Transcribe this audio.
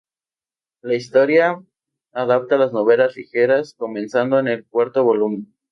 La historia adapta las novelas ligeras comenzando en el cuarto volumen.